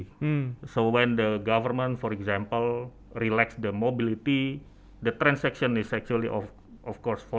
jadi ketika pemerintah misalnya memperlukan mobilitasnya transaksi itu tentu saja berikut